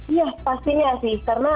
iya pastinya sih karena